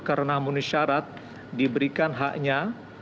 karena menisyarat diberikan haknya